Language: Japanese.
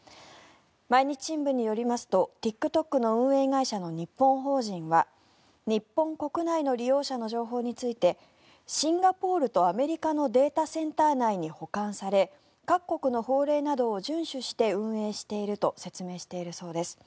毎日新聞によりますとＴｉｋＴｏｋの運営会社の日本法人は日本国内の利用者の情報についてシンガポールとアメリカのデータセンター内に保管され各国の法令などを順守して運営していると説明しているそうです。